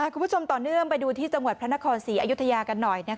คุณผู้ชมต่อเนื่องไปดูที่จังหวัดพระนครศรีอยุธยากันหน่อย